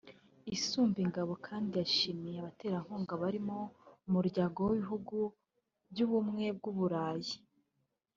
Isumbingabo kandi yashimiye abaterankunga barimo Umuryango w’Ibihugu by’Ubumwe bw’u Burayi